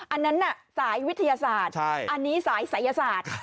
อันนั้นน่ะสายวิทยาศาสตร์อันนี้สายศัยศาสตร์